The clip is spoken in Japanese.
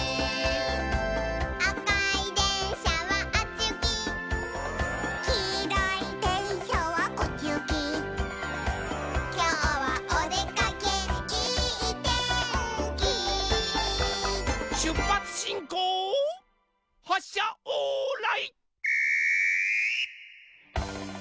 「あかいでんしゃはあっちゆき」「きいろいでんしゃはこっちゆき」「きょうはおでかけいいてんき」しゅっぱつしんこうはっしゃオーライ。